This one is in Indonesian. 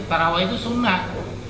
tarawih itu sunnah